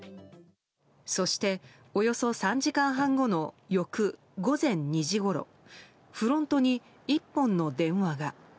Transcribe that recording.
そして、およそ３時間半後の翌午前２時ごろフロントに１本の電話が。